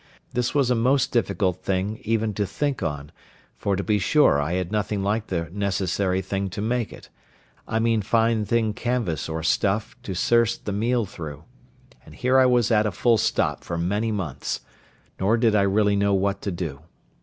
This was a most difficult thing even to think on, for to be sure I had nothing like the necessary thing to make it—I mean fine thin canvas or stuff to searce the meal through. And here I was at a full stop for many months; nor did I really know what to do.